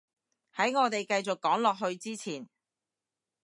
喺我哋繼續講落去之前